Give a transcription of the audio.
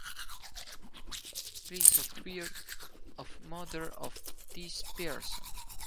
Place of birth of Mother of this person.